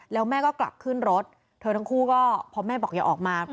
แล้วแม่ก็กลับขึ้นรถเธอทั้งคู่ก็พอแม่บอกอย่าออกมา